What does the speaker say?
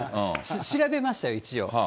調べましたよ、一応。